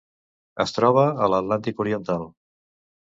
Es troba a l'Atlàntic oriental.